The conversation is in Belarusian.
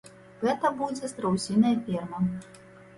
Гэта будзе страусіная ферма.